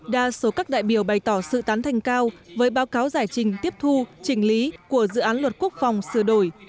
đa số các đại biểu bày tỏ sự tán thành cao với báo cáo giải trình tiếp thu chỉnh lý của dự án luật quốc phòng sửa đổi